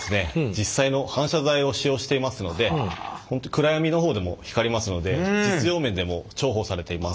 実際の反射材を使用していますので暗闇の方でも光りますので実用面でも重宝されています。